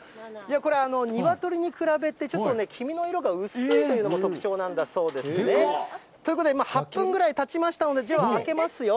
これ、ニワトリに比べて、ちょっとね、黄身の色が薄いというのも特徴なでか！ということで、今、８分ぐらいたちましたので、では開けますよ。